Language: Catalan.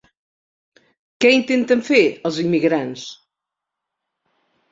Què intenten fer els immigrants?